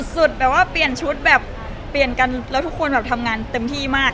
แบบว่าเปลี่ยนชุดแบบเปลี่ยนกันแล้วทุกคนแบบทำงานเต็มที่มาก